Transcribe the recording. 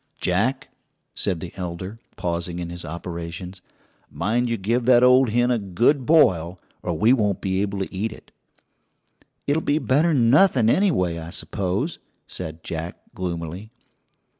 "Jack," said the elder, pausing in his operations, "mind you give that old hen a good boil, or we won't be able to eat it." "It'll be better'n nothing, anyway, I suppose," said Jack gloomily.